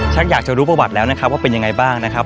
อยากจะรู้ประวัติแล้วนะครับว่าเป็นยังไงบ้างนะครับ